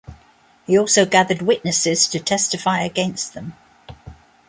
He also gathered witnesses to testify against them.